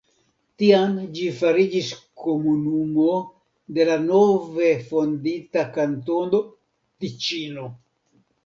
Tiam ĝi fariĝis komunumo de la nove fondita Kantono Tiĉino.